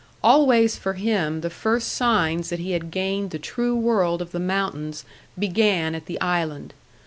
Always for him the first signs that he had gained the true world of the mountains began at the island.